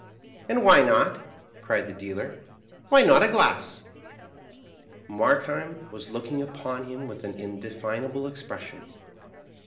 " And why not ?" cried the dealer. " Why not a glass ?'^ Markheim was looking upon him with an indefinable expression.